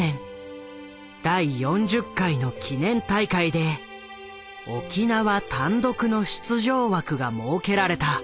第４０回の記念大会で沖縄単独の出場枠が設けられた。